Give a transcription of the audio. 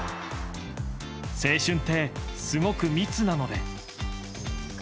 「青春って、すごく密なので」。